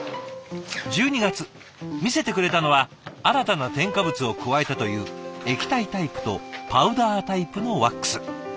１２月見せてくれたのは新たな添加物を加えたという液体タイプとパウダータイプのワックス。